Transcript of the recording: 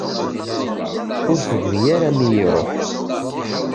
Ur teḅɣi ara mi i iruḥ.